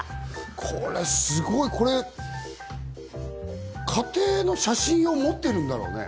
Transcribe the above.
これ、すごい！過程の写真を追っているんだろうね。